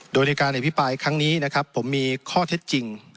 โดยในการอภิปรายครั้งนี้นะครับผมมีข้อเท็จจริง